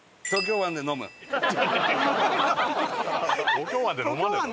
東京湾で飲まねえだろ。